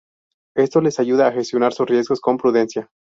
Esto les ayuda a gestionar sus riesgos con prudencia.